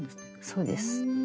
そうです。